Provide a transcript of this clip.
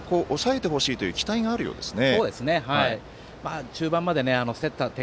かなり、相手の打線を抑えてほしいという期待があるようですね。